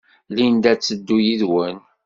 Linda ad teddu yid-wen.